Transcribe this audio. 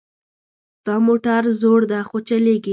دا موټر زوړ ده خو چلیږي